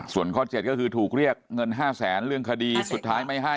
ส่วนข้อเจ็ดก็คือถูกเรียกเงิน๕๐๐๐๐๐บาทเรื่องคดีสุดท้ายไม่ให้